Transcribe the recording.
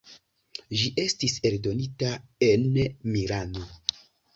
Ĝi estis eldonita en Milano.